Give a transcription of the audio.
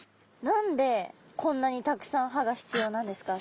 何でこんなにたくさん歯が必要なんですか？